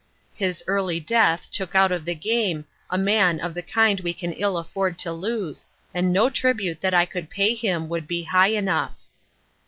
His early death took out of the game a man of the kind we can ill afford to lose and no tribute that I could pay him would be high enough.